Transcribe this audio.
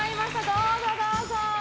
どうぞどうぞ。